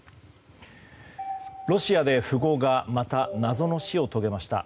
ロシアで富豪がまた謎の死を遂げました。